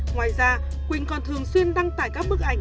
ngoài ra quỳnh còn thường xuyên đăng tải các bức ảnh